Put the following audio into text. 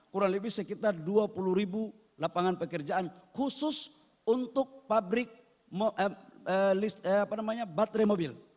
kurang lebih sekitar dua puluh ribu lapangan pekerjaan khusus untuk pabrik baterai mobil